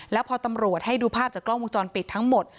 แล้วพอตำรวจให้ดูภาพจากกล้องวงจรปิดทั้งหมด